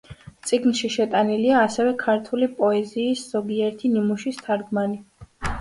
წიგნში შეტანილია ასევე ქართული პოეზიის ზოგიერთი ნიმუშის თარგმანი.